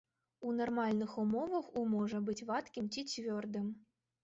У нармальных умовах у можа быць вадкім ці цвёрдым.